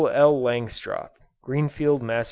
L. LANGSTROTH, _Greenfield, Mass.